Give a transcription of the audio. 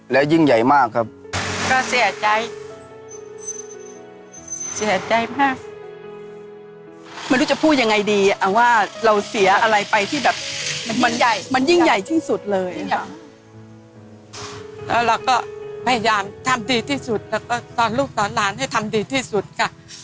แล้วเราก็พยายามทำดีที่สุดแล้วก็ตอนลูกตอนหลานให้ทำดีที่สุดค่ะ